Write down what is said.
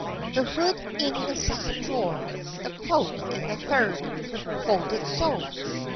The hood in the second drawer, the cloak in the third. Folded so."